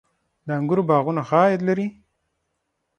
د انګورو باغونه ښه عاید لري؟